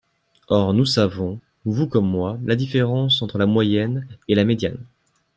Or nous savons, vous comme moi, la différence entre la moyenne et la médiane.